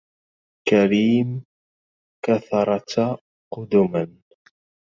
كريم كثرت قدما